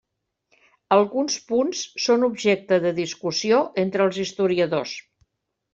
Alguns punts són objecte de discussió entre els historiadors.